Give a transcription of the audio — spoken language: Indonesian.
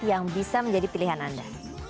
yang bisa menjadi pilihan anda